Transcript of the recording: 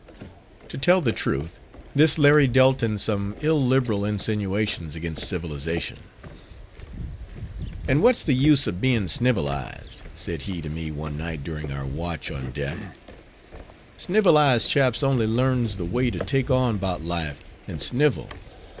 To tell the truth, this Larry dealt in some illiberal insinuations against civilization. "And what's the use of bein' snivelized!" said he to me one night during our watch on deck; "snivelized chaps only learns the way to take on 'bout life, and snivel.